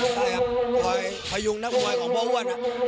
ใช่ครับพยุงนักภูมิของพ่ออ้วน